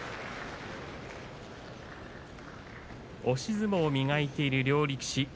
押し相撲を磨いている両力士